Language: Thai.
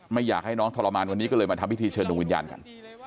ไม่อยากให้น้องทรมานวันนี้ก็เลยมาทำพิธีเชิญดวงวิญญาณกัน